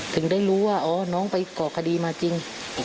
ถึงได้รู้ว่าอ๋อน้องไปก่อคดีมาจริง